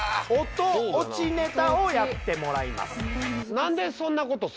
・音オチネタをやってもらいます。